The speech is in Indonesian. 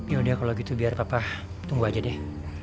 yaudah kalau gitu biar papa tunggu aja deh